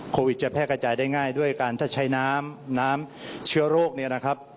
โควิดจะแพร่กระจายได้ง่ายด้วยการถ้าใช้น้ำน้ำเชื้อโรคเนี่ยนะครับ